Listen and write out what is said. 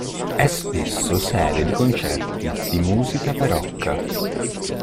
È spesso sede di concerti di musica barocca.